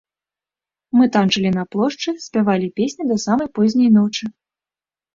Мы танчылі на плошчы, спявалі песні да самай позняй ночы.